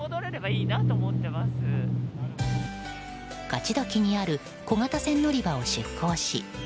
勝どきにある小型船乗り場を出港し